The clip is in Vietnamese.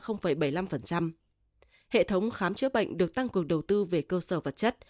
hệ thống khám chữa bệnh được tăng cường đầu tư về cơ sở vật chất